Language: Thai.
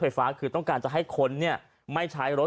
ไฟฟ้าคือต้องการจะให้คนเนี่ยไม่ใช้รถ